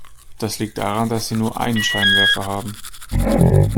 Das liegt daran, dass sie nur einen Scheinwerfer haben.